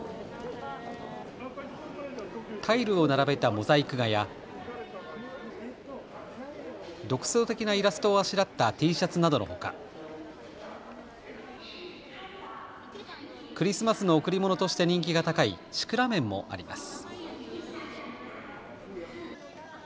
タイルを並べたモザイク画や独創的なイラストをあしらったＴシャツなどのほか、クリスマスの贈り物として人気が高いシクラメンもあります。